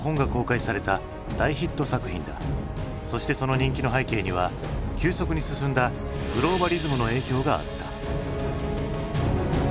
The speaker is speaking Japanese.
そしてその人気の背景には急速に進んだグローバリズムの影響があった。